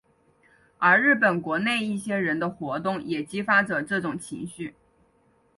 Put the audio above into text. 而日本国内一些人的活动也激发着这种情绪。